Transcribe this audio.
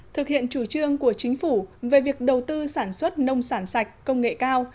thực hiện chủ trương của chính phủ về việc đầu tư sản xuất nông sản sạch công nghệ cao